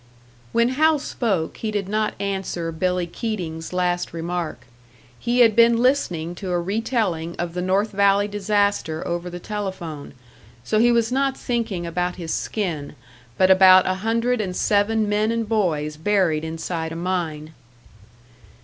When Hal spoke, he did not answer Billy Keating's last remark. He had been listening to a retelling of the North Valley disaster over the telephone; so he was not thinking about his skin, but about a hundred and seven men and boys buried inside a mine.